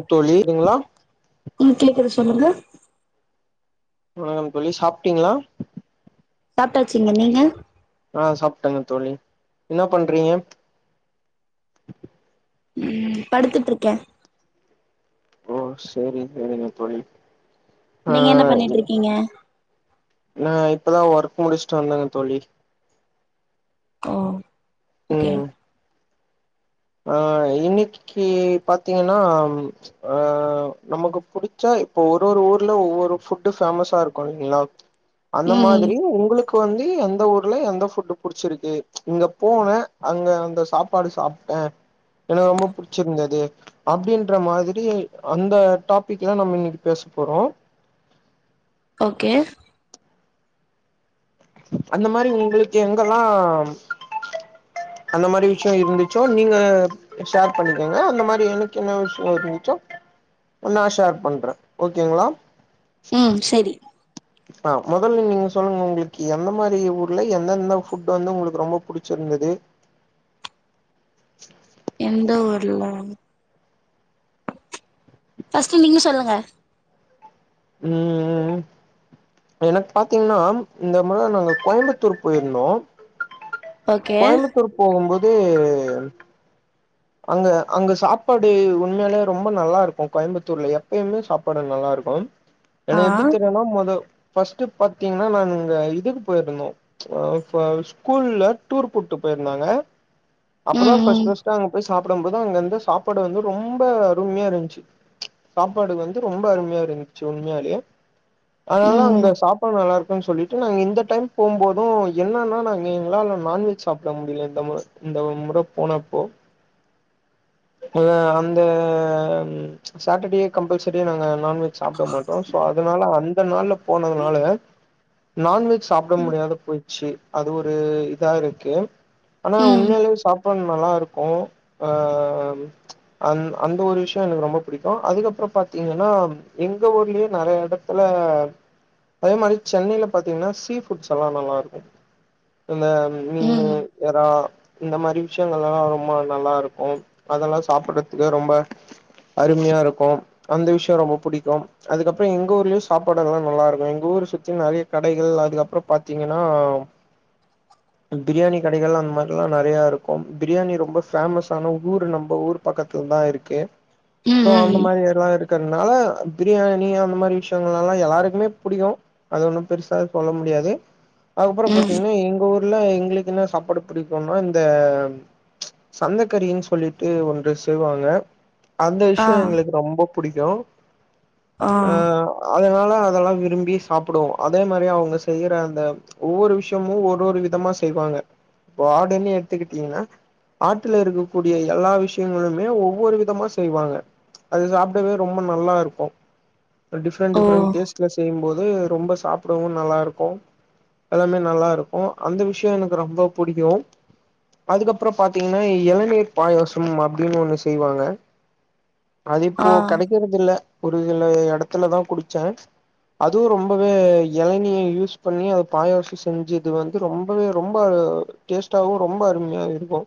எ தோழி க்குங்ளா ஆ கேக்குது சொல்லுங்க வணக்கம் தோழி சாப்ட்டிங்ளா சாப்ட்டாச்சுங்க நீங்க ஆ சாப்ட்டங்க தோழி என்ன பண்றிங்க ம் படுத்துட்டுருக்கே ஓ சேரி செரிங்க தோழி ஆ நீங்க என்ன பண்ணிட்ருக்கீங்க நா இப்பதா ஒர்க் முடிச்சுட்டு வந்தங்க தோழி ஒ ம் ம் ஆ இன்னைக்கி பாத்தீங்கன்னா ஆ நமக்கு புடிச்சா இப்ப ஒரு ஒரு ஊர்ல ஒவ்வொரு ஃபுட்டு ஃபேமஸா இருக்கு இல்லைங்ளா அந்த ம் மாதிரி உங்களுக் கு வந்து எந்த ஊர்ல எந்த ஃபுட்டு புடிச்சிருக்கு இங்க போன அங்க அந்த சாப்பாடு சாப் ட்ட எனக்கு ரொம்ப புடிச்சிருந்தது அப்டின்ற மாதிரி அந்த டாபிக்கலா நம்ம இன்னைக்கு பேச போறோ ஓகே அந்த மாரி உங்களுக்கு எங்கல்லா அந்த மாரி விஷயோ இருந்துச்சோ நீங்க ஷேர் பண்ணக்கங்க அந்த மாரி எனக்கு என்ன விஷயோ இருந்துச்சோ நா ஷேர் பண்ற ஓகேங்ளா ம் செரி ஆ மொதல நீங்க சொல்லுங்க உங்களுக்கு எந்த மாரி ஊர்ல எந்த எந்த ஃபுட்டு வந்து உங்களுக்கு ரொம்ப புடி ச்சிருந்துது அ ஊர்ல ஃபஸ்ட்டு நீங்க சொல்லுங்க ம் எனக்கு பாத்தீங்கன்னா இந்த முற நாங்க கோயம்பத்தூர் போயிருந்தோ ஓகே கோயம்பத்தூர் போகும்போது அங்க அங்க சாப்பாடு உண்மையாலே ரொம்ப நல்லா இருக்கு எப்பயுமே சாப்பாடு நல்லா இருக்கு ஆ எனக் எப்டி தெரியுனா மொத ஃபஸ்ட்டு பாத்தீங்கன்னா நான் இங்க இதுக்கு போயிருந்தோ அ ஃப ஸ்கூல்ல டூர் கூட்டு போயிருந்தாங்க அப்பதா ஃபஸ்ட் ம் ஃபஸ்ட் அங்க சாப்படும் போதுஅங்க இருந்த சாப்பாடு வந்து ரொம்ப அருமையா இருந்துச்சு சாப்பாடு வந்து ரொம்ப அருமையா இருந்துச்சு உண்மையாலே அதனாலதா ம் அங்க சாப் பாடு நல்லா இருக்குன் சொல்லிட்டு நாங்க இந்த டைம் போம் போது என்ன்னா நாங்க எங்களால நான்வெஜ் சாப்ட முடியல இந்த முற இந்த ஒர் முற போனப்போ வந்து அந்த சேட்டர்டே கம்பல்சரிய நாங்க நான்வெஜ் சாப்டமாட் டோ சோ அதனால அந்த நாள்ள போனதுனால நான்வெஜ் சாப்ட முடியாத போயிச்சு அது ஒரு இதா இருக்கு ஆனா ம் உண்மையிலயே சாப்பாடு நல்லா இருக்கு அ அந் அந்த ஒரு விஷயோ எனக்கு ரொம்ப புடிக்கு அதுக்கப்புறோ பாத்தீங்கன்னா எங்க ஊர்லயே நறைய எட த்துல அதே மாரி சென்னையில பாத்தீங்கன்னா சீஃபுட்ஸ் எல்லா நல்லா இருக்கு இந்த ம் மீனு ம் எறா இந்த மாரி விஷயங்கள்ல்லா ரொம்ப நல்லா இருக்கு அதல்லா சாப்பறதுக்கு ரொம்ப அருமையா இருக்கு அந்த விஷயோ ரொம்ப புடிக்கு அதுக்கப்புறோ எங்க ஊர்லயு சாப்பாடு எல்லா நல்லா இருக்கு எங்க ஊர் சுத்தி நறைய கடைகள் அதுக்கப்புறோ பாத்தீங்கன்னா பிரியாணி கடைகள் அந்த மாரில்லா நறைய இருக்கு பிரியாணி ரொம்ப ஃபேமஸ்ஸான ஊரு நம்ப பக்கத்துல தா இருக்கே சோ ம் அந்த ம் மாரி எல்லா இருக்கறனால பிரியாணி அந்த மாரி விஷயங்கள்லல்லா எல்லாருக்குமே புடிக்கு அது ஒண்ணு பெருசா சொல்ல முடியாது அதுக்கு அப்றோ ம் பாத்தீங்கன்னா எங்க ஊர் க்குள்ள எங்களுக்கு என்ன சாப்பாடு புடிக்கும்னா இந்த சந்தக்கறின் சொல்லிட்டு ஒன்று செய்வாங்க அந்த ஆ விஷயோ எங்களுக்கு ரொம்ப புடிக்கு ஆ அ அதனால அதெல்லாம் விரும்பி சாப்புடுவோம் அதே மாதிரி அவுங்க செய்யற அந்த ஒவ்வொரு விஷயமும் ஒரு ஒரு விதமா செய்வாங்க வாடுன்னு எடுத்துக்கிட்டீங்கன்னா ஆட்டுல இருக்க கூடிய எல்லா விஷயங்களுமே ஒவ்வொரு விதமா செய்வாங்க அது சாப்டவே ரொம்ப நல்லா இருக்கும் டிஃப்ரெண்ட் ஓ டிஃப்ரெண்ட் டேஸ்ட்ல செய்யும்போது ரொம்ப சாப் அப்புடவும் நல்லா இருக்கும் எல்லாமே நல்லா இருக்கும் அந்த விஷயம் எனக்கு ரொம்ப பிடிக்கும் அதுக்கப்புறம் பாத்தீங்கன்னா எளநீர் பாயாசம் அப்படின்னு ஒண்ணு செய்வாங்க அதுப்போ ஆ கெடை க்கிறதுல்ல ஒரு சில எடத்துலதான் குடிச்சேன் அதுவும் ரொம்பவே எளநீய யூஸ் பண்ணி அது பாயசம் செஞ்சு இது வந்து ரொம்பவே ரொம்ப டேஸ்ட்டாவும் ரொம்ப அருமையா இருக்கும்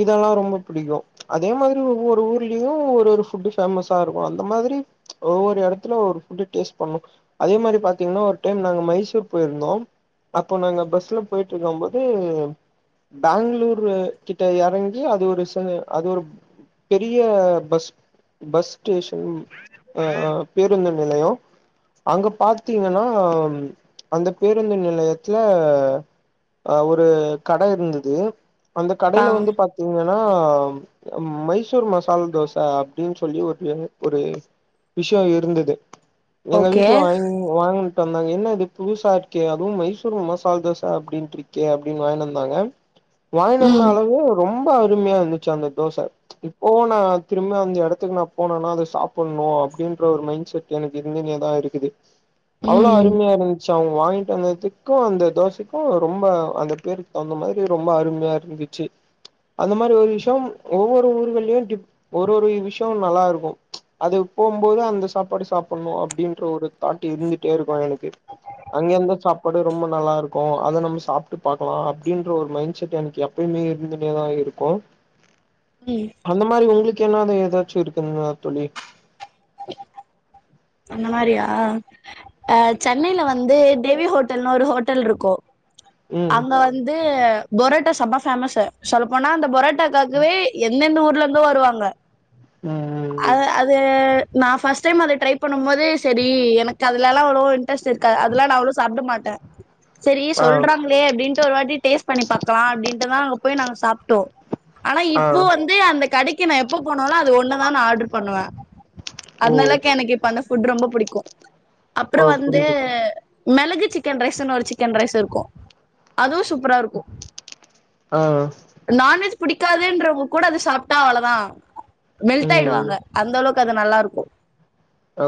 இதெல்லாம் ரொம்ப பிடிக்கும் அதே மாதிரி ஒவ்வொரு ஊர்லயும் ஒவ்வோரு ஒரு ஃபுட்டு ஃபேமஸா இருக்கும் அந்த மாதிரி ஒவ்வொரு இடத்துலயும் ஒவ்வொரு ஃபுட்டு டேஸ்ட் பண்ணும் அதே மாதிரி பாத்தீங்கன்னா ஒரு டைம் நாங்க மைசூர் போயிருந்தோம் அப்போ நாங்க பஸ்ல போயிட்டு இருக்கும் போது பெங்களூரு கிட் கிட்ட எறங்கி அது ஒரு ச அது ஒரு பெரிய பஸ் பஸ் ஸ்டேஷன் அ பேருந்து நிலையம் அங்க பாத்தீங்கன்னா அந்த பேருந்து நிலையத்துல அ ஒரு கட இருந்தது அந்த ஆ கடையில வந்து பா த்தீங்கன்னா மைசூர் மசால் தோச அப்படின்னு சொல்லி ஒரு ஒரு டிஷ்யும் இருந்தது எங்க ஓகே வீட்டுல வாங்க வாங்கிட்டு வந்தாங்க என்ன இது புதுசா இருக்கே அதுவும் மைசூர் மசால் தோச அப்டின்ட்டு இருக்கே அப்படின்னு வாங்கிட்டு வந்தாங்க வாங்கின்ட்டு ம் வந்தாலுமே ரொம்ப அருமையா இருந்துச்சு அந்த தோச இப்பவும் நா திரும்பி அந்த எடத்துக்கு நா போனோனா அத சாப்புடணும் அப்படின்ற ஒரு மைண்ட் செட் எனக்கு இருந்துன்னே தா இருக்குது அவ்வளோ ம் அருமையா இருந்து ஸோ அவுங்க வாங்கிட்டு வந்ததுக்கும் அந்த தோசைக்கும் ரொம்ப அந்த பேருக்கு தகுந்த மாதிரி ரொம்ப அருமையா இருந்து ச்சி அந்த மாதிரி ஒரு விஷயம் ஒவ்வொரு ஊர்கள்லயும் டி ஒரு ஒரு விஷயம் நல்லா இருக்கும் அது போகும்போது அந்த சாப்பாடு சாப்பிடணும் அப்படின்ற ஒரு தாட் இருந்துட்டே இருக்கும் எனக்கு அங்க இருந்த சாப்பாடு ரொம்ப நல்லா இருக்கும் அத நம்ம சாப்பிட்டு பாக்கலாம் அப்படின்ற ஒரு மைண்ட் செட் எனக்கு எப்பயுமே இருந்துகிட்டே தா இருக்கும் உம் அந்த மாதிரி உங்களுக்கு என்னாவது ஏதாச்சும் இருக்குங்களா தோழி அந்த மாதிரியா அ சென்னையில வந்து தெவி ஹோட்டல்ன்னு ஒரு ஹோட்டல் இருக்கும் ம் அங்க வந்து பொரோட்டா செம்ப ஃபேமஸ் சார் சொல்லப்போனா அந்த பொரோட்ட ட்டாக்காகவே எந்தெந்த ஊர்ல இருந்து வருவாங்க ம் ம் அ ம் அது து நா ஃபர்ஸ்ட் டைம் அத ட்ரை பண்ணும் போது செரி எனக்கு அதுலல்லாம் அவ்வளோ இன்டரெஸ்ட் இருக்காது அதெல்லாம் நா அவ்ளோவா சாப்ட மாட்ட செரி ஆ சொல்றாங்களே அப்டின்ட்டு ஒரு வாட்டி டேஸ்ட் பண்ணி பாக்கலாம் அப்டின்ட்டுதான் அங்க போய் நாங்க சாப்ட்டோம் ஆனா ஆ இப்போ வந்து அந்த கடைக்கு நா எப்ப போனாலும் அது ஒண்ணுதா ஆர்டர் பண்ணுவ ஓ அந்தளவுக்கு எனக்கு இப்ப அந்த ஃபுட் ரொம்ப பிடிக்கும் ஓ அப்புறம் வந்து புரியுது மிளகு சிக்கன் ரைஸ்ன்னு ஒரு சிக்கன் ரைஸ் இருக்கும் அதுவும் சூப்பரா இருக்கும் ஆ நான்வெஜ் புடிக்காதுன்றவுங்க கூட அது சாப்ட்டா அவ்வளோதா மெல்ட் ம் ஆயிடுவாங்க அந்த அளவுக்கு அது நல்லா இருக்கு ஓ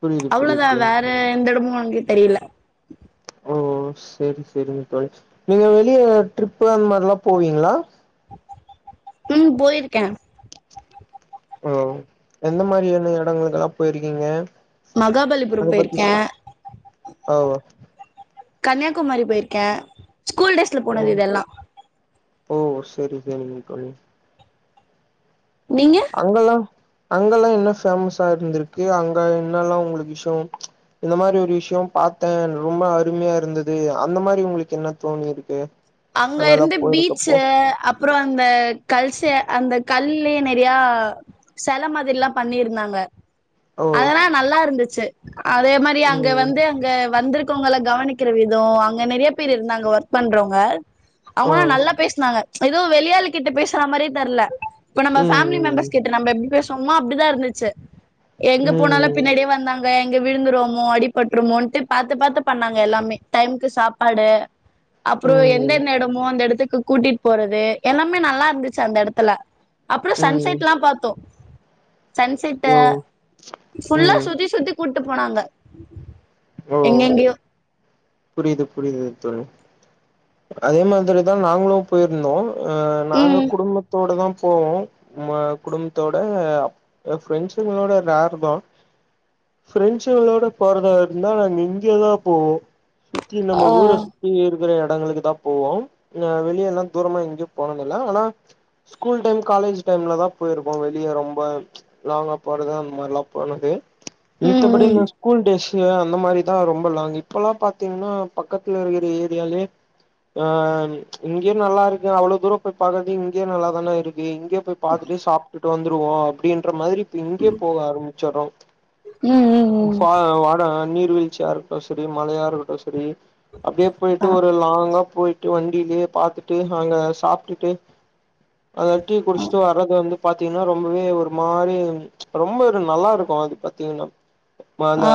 புரியுது அவ்ளோதா புரியுது வேற எந்த இடமு என்கிட்ட இல்ல ஓ செரி செரிங்க தோழி நீங்க வெளிய ட்ரிப் அந்த மாரில்லா போவீங்களா ம் போயிருக்கே ஓ எந்த மாரி என்ன இடங்களுக்கெல்லா போயிருக்கீங்க மகாபலிபுரம் அத பத்தி போயிருக்கே சொ ஓ கன்னியாகுமரி போயிருக்கே ஸ்கூல் டேஸ்ல ஓ போனது இதெல்லா ஓ செரி செரிங்க தோழி நீங்க அங்கல்லா அங்கல்லா என்ன பேமஸா இருந்துருக்கு அங்க என்னல்லா உங்களுக்கு விஷயோ இந்த மாரி ஒரு விஷயோ பாத்தே ரொம்ப அருமையா இருந்தது அந்த மாரி உங்களுக்கு என்ன தோணிருக்கு அங்க அங்கல்லா இருந்த போயிருக்கப்போ பீச்சு அப் பறோ அந்த கல்சே அந்த கல்லயே நெறையா செல மாதிரில்லா பண்ணிருந்தாங்க ஓ அதெல்லா நல்லா இருந்துச்சு அதே மாரி அங்க ம் வந்து அங்க வந்திருக்கவங்கள கவனிக்கிற விதோ அங்க நெறையா பேரு இருந்தாங்க ஒர்க் பண்றவங்க ஆ அவங்கல்லா நல்லா பேசுனாங்க ஏதோ வெளி ஆளு கிட்ட பேசுற மாரியே தெரில இப்ப நம்ம ஃபேமிலி ம் மெம்பர்ஸ் கிட்ட நம்ம எப்டி பேசுவமோ அப்டிதா இருந்துச்சு எங்க ம் போனாலு ம் பின்னாடியே வந்தாங்க எங்க விழுந்துருவமோ அடிபட்டுருமோட்டு பாத்து பாத்து பண்ணாங்க எல்லாமே டைமுக்கு சாப்பாடு அப்பறோ ம் எந்தெந்த எடமோ அந்த எடத்துக்கு கூட்டிட்டு போறது எல்லாமே நல்லா இருந்துச்சு அந்த எடத்துல அப்பறோ ம். சன்செட்லா பாத்தோ சன்செட்ட ஓ! ஃபுல்லா ம். சுத்தி சுத்தி கூட்டு போனாங்க எங்கெங்கயோ புரியிது புரியிது தோழி அதே மாதிரிதா நாங்களு போயிருந்தோ ஆ நாங்க ம் குடும்பத்தோடதா போவோ குடும்பத்தோட ஏ ஃப்ரெண்ட்ஸங்களோட ரோர் தா ஃப்ரெண்ட்சுங்களோட போறதா இருந்தா நாங்க இங்கதா போவோ சுத்தி ஆ நம்ம ஊர சுத்தி இருக் குற எடங்களுக்குதா போவோ நா வெளியல்லா தூரமா எங்கயு போனதில்ல ஆனா ஸ்கூல் டைம் காலேஜ் டைம்லதா போயிருப்போ வெளிய ரொம்ப லாங்கா போறது அந்த மாரில்லா போனது மித்தபடி ம் நா ஸ்கூல் டேஸ் அந்த மாரிதா ரொம்ப லாங் இப்பல்லா பாத் இன்னு பக்கத்துல இருக்கிற ஏரியாலயே ஆ இங்கயே நல்லா இருக்கு அவ்ளோ தூரோ போய் பாக்குறதுக்கு இங்கயே நல்லாதான இருக்கு இங்கயே போய் பாத்துட்டு சாப்ட்டுட்டு வந்துருவோ அப்டின்ற மாதிரி இங்கயே போக ஆரம்பிச்சர்றோ ம் ம் ம் ம் பா வாட நீர்வீழ்ச்சியா இருக்கட்டு செரி மலையா இருக்கட்டு செரி அப்டியே போயிட்டு ஆ ஒரு லாங்கா போயி ட்டு வண்டிலயே பாத்துட்டு அங்க சாப்ட்டுட்டு அதா டீ குடிச்சிட்டு வர்றது வந்து பாத்தீங்கன்னா ரொம்பவே அது ஒரு மாரி ரொம்ப ஒரு நல்லா இருக்கு அது பாத்தீங்கன்னா இப்ப அந்த ஆ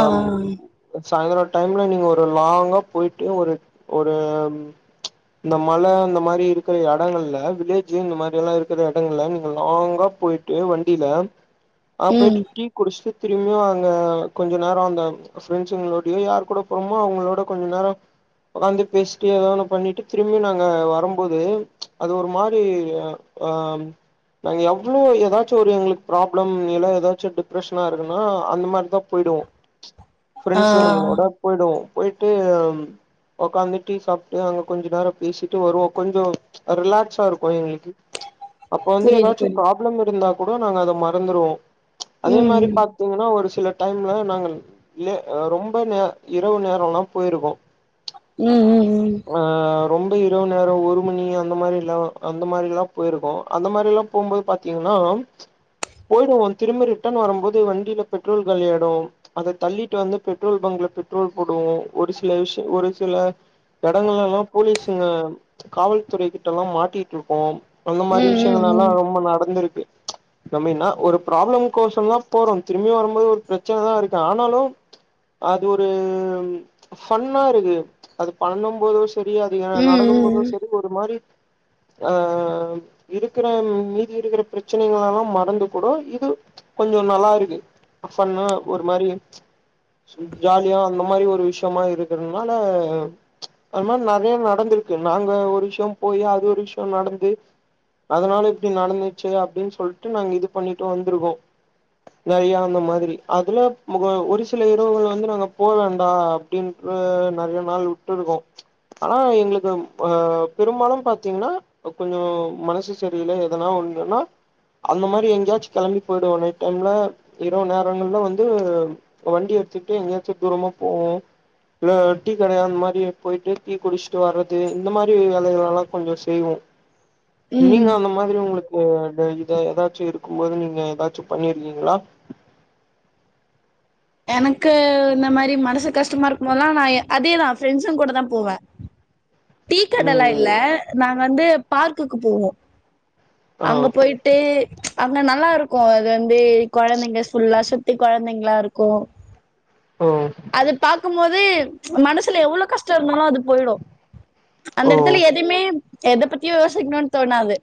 சாயந்தர டைம்ல நீங்க ஒரு லாங்கா போயிட்டு ஒரு ஒரு இந்த மல அந்த மாரி இருக்கிற எடங்கள்ல வில்லேஜு இந்த மாரி எல்லா இருக்கிற எடங்கள்ல நீங்க லாங்கா போயி ட்டு வண்டில அங்க போயிட்டு ம் டீ குடிச்சிட்டு திரும்பியு அங்க கொஞ்ச நேரோ அந்த ஃப்ரெண்ட்ஸுங்களோடையோ யார் கூட போறோமோ சும்மா அவுங்களோட கொஞ்ச நேரோ உக்க்காந்து பேசிட்டு ஏதோ ஒன்னு பண்ணிட்டு திரும்பி நாங்க வரும்போது அது ஒரு மாரி அ நாங்க எவ்ளோ ஏதாச்சு ஒரு எங்ளுக்கு ப்ராப்ளம் இல்ல ஏதாச்சு டிப்ரெஷனா இருக்குன்னா அந்த மாதிரிதா பொய்டுவோ ஆ ஆ ஃபிரெண்ட்ஸ்ஸூங்லோட பொயிடுவோ பொய்ட்டு உக்க்காந்து டீ சாப்ட்டு அங்க கொஞ்ச நேரோ பேசிட்டு வருவோ கொஞ்சோ ரிலாக்ஸ் அ இருக்கு எங்ளுக்கு அப்ப வந்து புரியுது ஏதாச்சு புரியுது ப்ராப்ளம் இருந்தா கூட நாங்க அத மறந்துருவோ அதே மாரி ம் பாத் த்திங்ன்னா ஒரு சில டைம்ல நாங்க லே ரொம்ப இரவு நேர ல்லா பொயிருக்கு ம் ம் ம் ரொம்ப இரவு நேரோ ஒரு மணி அந்த மாரில்ல அந்த மாரிலா பொய்ருக்கோ அந்த மாரிலா போம்போது பாத்திங்கன்னா பொய்டுவோ திரும்ப ரிட்டன் வரும்போது வண்டியில பெட்ரோல் காலியாய்டு அத தள்ளிட்டு வந்து பெட்ரோல் பங்க்ல பெட்ரோல் போடுவோ ஒரு சில விஷ்யோ ஒரு சில இடங்கள்லல்லா போலீஸ்ங்க காவல்துறை கிட்டல்லா மாட்டிட்டு இருக்கோ அந்த ம் ம் மாதிரி ம் விஷயங்கள் எல்லா ம் ரொம்ப நடந்திருக்கு நம்ம என்னா ஒரு ப்ராப்ளம் கோஷ்ரோதா போறோ திரும்பி வரும்போது ஒரு பிரச்சனதா இருக்கு ஆனாலு அது ஒரு ஃபன்னா இருக்கு அது பண்ணு போது சரி அது ஏ நடக்கு ம் போது ம் சரி அது ஒரு மாரி ஆ இருக்குற மீதி இருக்குற பிரச்சனைகள் எல்லா மறந்து கூடு இது கொஞ்சோ நல்லா இருக்கு ஃபன்னா ஒரு மாரி ஜாலியா அந்த மாரி ஒரு விஷயமா இருக்றதுனால அது மாரி நறைய நடந்திருக்கு நாங்க ஒரு விஷ்யோ போய் அது ஒரு விஷ்யோ நடந்து அதனால இப்டி நடந்துச்சு அப்டின்னு சொல்லிட்டு நாங்க இது பண்ணிட்டு வந்ருக்கோ நறைய அந்த மாதிரி அதுல ஒரு சில இரவுகள் வந்து நாங்க போவேண்டா அப்டின்னு நெறைய நாள் விட்டுருக்கோ ஆனா எங்ளுக்கு அ பெரும்பாலு பாத்திங்ன்னா கொஞ்சோ மனசு சரியில எதனா ஒன்னுனா அந்த மாரி எங்கயாச்சு கெளம்பி பொய்டுவோ நைட் டைம்ல இரவு நேரங்கள்ல வந்து வண்டி எடுத்துட்டு எங்கையாச்சு தூரமா போவோ இ டீ கடையா அந்த மாரி பொய்ட்டு டீ குடிச்சுட்டு வர்றது இந்த மாதிரி வேலைகள்லல்லா கொஞ்சோ செய்வோ ம் நீங்க அந்த மாதிரி உங்களுக்கு இத ஏதாச்சு இருக்கும் போது நீங்க ஏதாச்சு பண்ணிருக்கீங்ளா எனக்கு இந்த மாரி மனசு கஷ்டமா இருக்கு போதெல்லா நான் அதேதா ஃப்ரெண்ட்ஸுங்க கூடதா போவே டீக்கடல்லா இல்ல ம் நாங்க வந்து பார்க்குக்கு போவோ ஆ அங்க போய் ட்டு நல்லா இருக்கு அது வந்து கொழந்தைங்க ஃபுல்லா சுத்தி கொழந்தைங்ளா இருக்கு கோ ஓ அது பாக்கும்போது மனசுல எவ்ளோவு கஷ்டோ இருந்தாலு அது பொய்டு அந்த ஓ எடத்துல எதுமே எத பத்தியு யோசிக்கணுனு தோணாது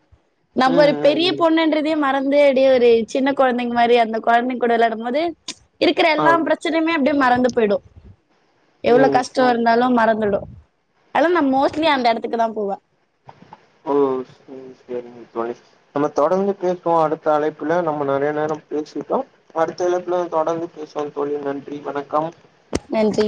நம்ம ஒரு ம் ம் பெரிய ம் பொண்ணுன்றதே மறந்து அப்டியே ஒரு சின்ன கொழந்தைங்க மாரி அந்த கொழந்தைங்க கூட வெளையாடும்போது இருக்குற எல்லா ஆம் பிரச்சனையுமே அப்டியே மறந்து பொய்டு எவ்ளோ ம் கஷ்ட இருந்தாலு மறந்துடு அதனது நா மோஸ்ட்லி அந்த எடத்துக்குதா போவே ஓ சேரி சேரிங்க தோழி நம்ப தொடர்ந்து பேசுவோ அடுத்த அழைப்புல நம்ம நெறைய நேர பேசிட்டோ அடுத்த அழைப்புல தொடர்ந்து பேசுவோ தோழி நன்றி வணக்கம் நன்றி